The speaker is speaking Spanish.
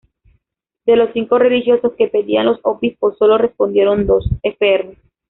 De los cinco religiosos que pedían los obispos, solo respondieron dos, fr.